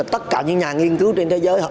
tất cả những nhà nghiên cứu trên thế giới